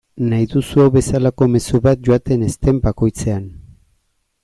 Nahi duzu hau bezalako mezu bat joaten ez den bakoitzean.